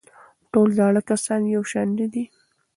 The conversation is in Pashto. ټول زاړه کسان یو شان نه دي.